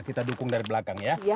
kita dukung dari belakang ya